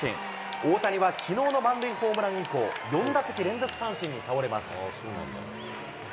大谷はきのうの満塁ホームラン以降、４打席連続三振に倒れます。